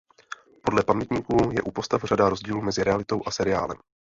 Podle pamětníků je u postav řada rozdílů mezi realitou a seriálem.